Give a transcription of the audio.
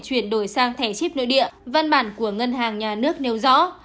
chuyển đổi sang thẻ chip nội địa văn bản của ngân hàng nhà nước nêu rõ